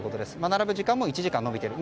並ぶ時間も１時間延びている。